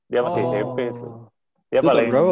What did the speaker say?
dia masih mp itu